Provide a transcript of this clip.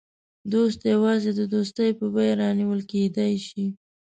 دوست یوازې د دوستۍ په بیه رانیول کېدای شي.